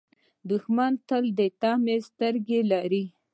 دښمن تل د طمعې سترګې لري